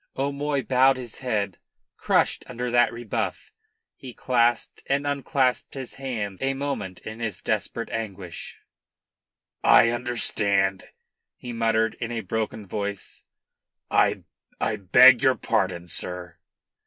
O'Moy bowed his head, crushed under that rebuff. He clasped and unclasped his hands a moment in his desperate anguish. "I understand," he muttered in a broken voice, "I I beg your pardon, sir."